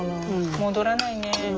戻らないね。